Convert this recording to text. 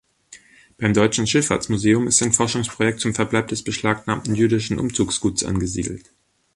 Beim Deutschen Schifffahrtsmuseum ist ein Forschungsprojekt zum Verbleib des beschlagnahmten jüdischen Umzugsguts angesiedelt.